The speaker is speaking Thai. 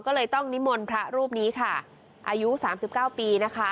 ก็เลยต้องนิมนต์พระรูปนี้ค่ะอายุ๓๙ปีนะคะ